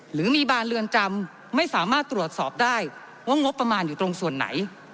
หรือมีบานเรือนจำไม่สามารถตรวจสอบได้ว่างบประมาณอยู่ตรงส่วนไหน